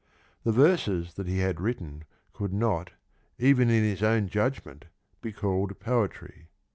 The verses that he had written could not, even in his own judgment, be called poetry.